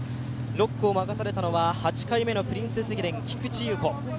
６区を任されたのは８回目のプリンセス駅伝、菊地優子。